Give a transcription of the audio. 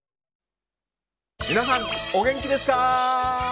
皆さんお元気ですか？